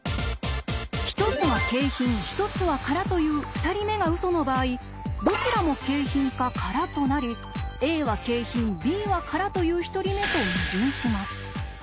１つは景品１つは空という２人目がウソの場合「どちらも景品」か「空」となり「Ａは景品Ｂは空」という１人目と矛盾します。